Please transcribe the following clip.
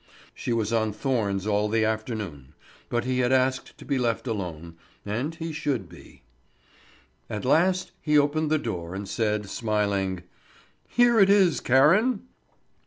She was on thorns all the afternoon; but he had asked to be left alone, and he should be. At last he opened the door, and said, smiling: "Here it is, Karen!"